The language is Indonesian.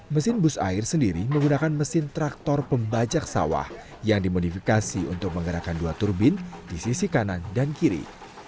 mesin bus air sendiri menggunakan mesin traktor pembajak sawah yang dimodifikasi untuk menggerakkan dua turbin di sisi kanan dan kiri